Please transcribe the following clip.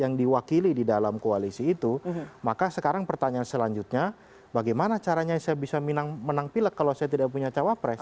yang diwakili di dalam koalisi itu maka sekarang pertanyaan selanjutnya bagaimana caranya saya bisa menang pilek kalau saya tidak punya cawapres